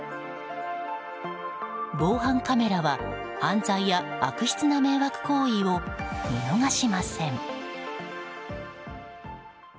防犯カメラは犯罪や悪質な迷惑行為を見逃しません。